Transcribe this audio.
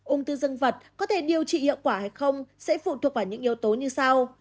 ung thư dân vật có thể điều trị hiệu quả hay không sẽ phụ thuộc vào những yếu tố như sau